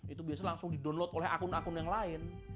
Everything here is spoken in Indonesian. itu biasanya langsung di download oleh akun akun yang lain